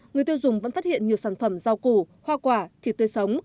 người tiêu dùng vẫn phát hiện nhiều sản phẩm rau củ hoa quả thịt tươi sống